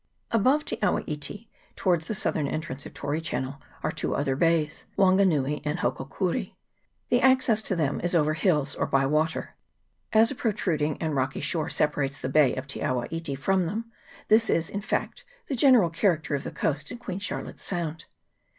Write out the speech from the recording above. Above Te awa iti, towards the southern entrance of Tory Channel, are two other bays, Wanganui and Hokokuri. The access to them is over the hills or by water, as a protruding and rocky shore separates the bay of Te awa iti from them ; this is, in fact, the general character of the coast in Queen Charlotte's Sound.